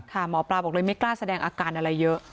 หมอปลาบอกเลยไม่กล้าแสดงอาการอะไรเยอะ